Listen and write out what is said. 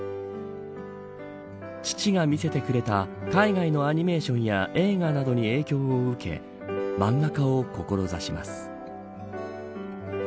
父が見せてくれた海外のアニメーションや映画などに影響を受け漫画家を志します。